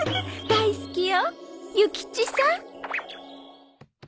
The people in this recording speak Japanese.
大好きよ諭吉さん。